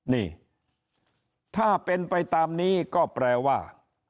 นี่ถ้าเป็นไปตามนี้ก็แปลว่า